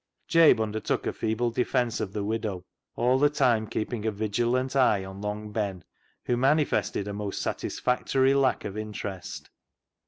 Jabe undertook a feeble defence of the widow, all the time keeping a vigilant eye on Long 15 226 CLOG SHOP CHRONICLES Ben, who manifested a most satisfactory lack of interest.